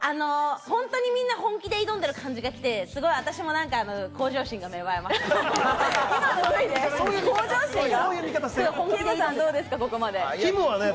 ほんとに、みんな本気で挑んでる感じがして、すごい私も、なんか向上心が芽生えます。